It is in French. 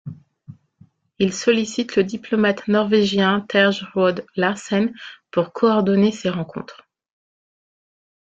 Il sollicite le diplomate norvégien Terje Roed-Larsen pour coordonner ces rencontres.